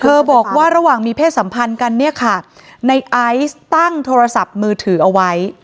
บอกว่าระหว่างมีเพศสัมพันธ์กันเนี่ยค่ะในไอซ์ตั้งโทรศัพท์มือถือเอาไว้